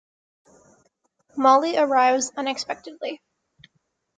Molly arrives unexpectedly.